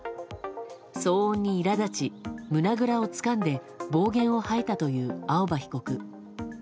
騒音に苛立ち、胸ぐらをつかんで暴言を吐いたという青葉被告。